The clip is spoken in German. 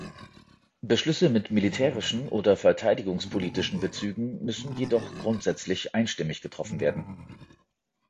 Beschlüsse mit militärischen oder verteidigungspolitischen Bezügen müssen jedoch grundsätzlich einstimmig getroffen werden.